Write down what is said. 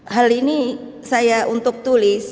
hal ini saya untuk tulis